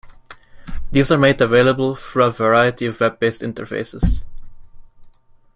These are made available through a variety of Web-based interfaces.